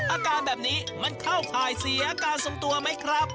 อาการแบบนี้มันเข้าข่ายเสียการทรงตัวไหมครับ